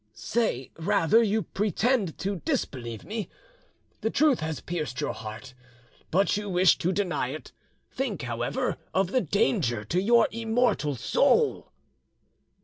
"Say rather you pretend to disbelieve me: the truth has pierced your heart, but you wish to deny it. Think, however, of the danger to your immortal soul."